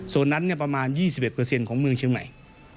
โซนนั้นประมาณ๒๑เปอร์เซ็นต์ของเมืองเชียงใหม่